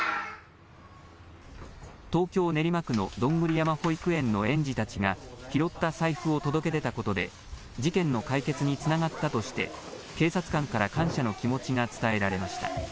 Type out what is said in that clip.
東京・練馬区のどんぐり山保育園の園児たちが、拾った財布を届け出たことで、事件の解決につながったとして、警察官から感謝の気持ちが伝えられました。